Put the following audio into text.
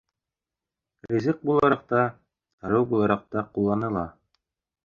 Ризыҡ булараҡ та, дарыу булараҡ та ҡулланыла.